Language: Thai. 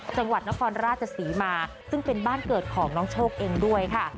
จังหวัดนครราชศรีมาซึ่งเป็นบ้านเกิดของน้องโชคเองด้วยค่ะ